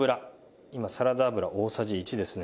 今サラダ油大さじ１ですね。